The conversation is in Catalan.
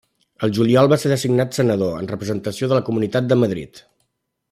El juliol va ser designat senador en representació de la Comunitat de Madrid.